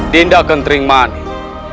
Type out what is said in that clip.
dinda kentering manik